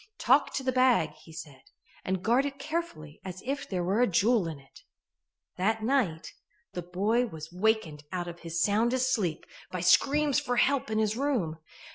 "Talk to the bag," he said, "and guard it as carefully as if there were a jewel in it." That night the boy was wakened out of his soundest sleep by screams for help in his room.